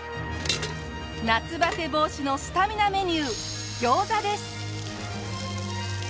夏バテ防止のスタミナメニュー餃子です。